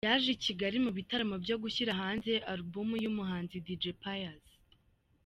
Yaje i Kigali mu bitaramo byo gushyira hanze album y’umuhanzi Dj Pius.